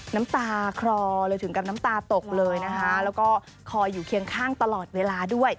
น้ำตาคลอเลยถึงกับน้ำตาตกเลยนะคะแล้วก็คอยอยู่เคียงข้างตลอดเวลาด้วย